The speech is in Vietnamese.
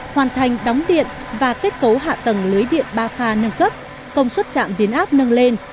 hoàn thành đóng điện và kết cấu hạ tầng lưới điện ba pha nâng cấp công suất trạm biến áp nâng lên